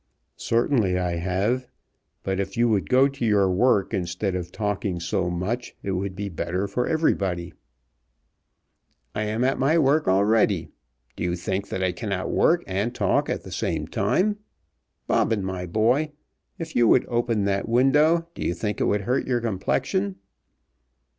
"Certainly I have. But if you would go to your work instead of talking so much it would be better for everybody." "I am at my work already. Do you think that I cannot work and talk at the same time? Bobbin, my boy, if you would open that window, do you think it would hurt your complexion?"